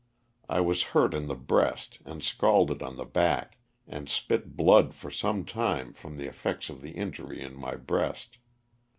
I was hurt in the breast and scalded on the back, and spit blood for some time from the effects of the injury in my breast.